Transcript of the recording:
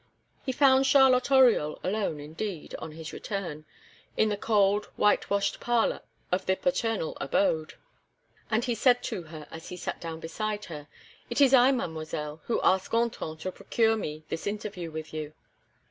He found Charlotte Oriol alone, indeed, on his return, in the cold, whitewashed parlor of the paternal abode; and he said to her, as he sat down beside her: "It is I, Mademoiselle, who asked Gontran to procure me this interview with you."